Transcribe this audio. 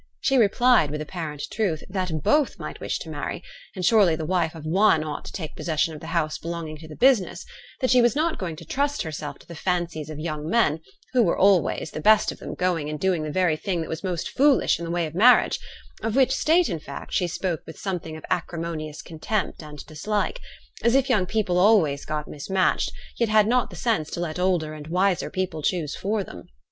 She replied, with apparent truth, that both might wish to marry, and surely the wife of one ought to take possession of the house belonging to the business; that she was not going to trust herself to the fancies of young men, who were always, the best of them, going and doing the very thing that was most foolish in the way of marriage; of which state, in fact, she spoke with something of acrimonious contempt and dislike, as if young people always got mismatched, yet had not the sense to let older and wiser people choose for them.